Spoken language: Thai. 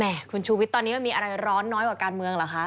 คุณชูวิทย์ตอนนี้มันมีอะไรร้อนน้อยกว่าการเมืองเหรอคะ